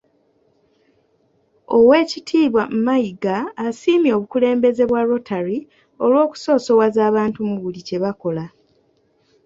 Owek.Mayiga asiimye obukulembeze bwa Rotary olw’okusosowaza abantu mu buli kye bakola.